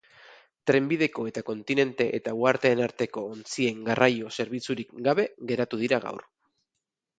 Trenbideko eta kontinente eta uharteen arteko ontzien garraio zerbitzurik gabe geratu dira gaur.